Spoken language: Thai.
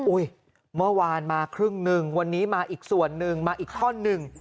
เมื่อวานมาครึ่งหนึ่งวันนี้มาอีกส่วนหนึ่งมาอีกท่อนหนึ่ง